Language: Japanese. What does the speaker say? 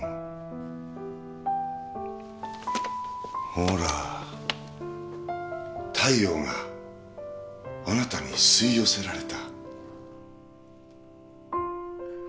ほら太陽があなたに吸い寄せられた。